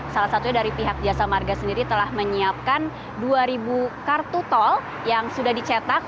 salah satunya dari pihak jasa marga sendiri telah menyiapkan dua ribu kartu tol yang sudah dicetak